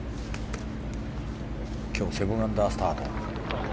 今日、７アンダースタート。